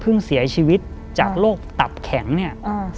เสียชีวิตจากโรคตับแข็งเนี่ยอ่า